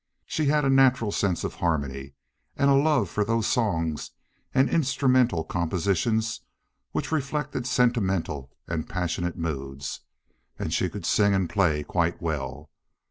She had a natural sense of harmony and a love for those songs and instrumental compositions which reflect sentimental and passionate moods; and she could sing and play quite well.